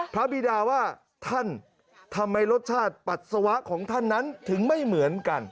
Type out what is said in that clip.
บิดาว่าท่านทำไมรสชาติปัสสาวะของท่านนั้นถึงไม่เหมือนกัน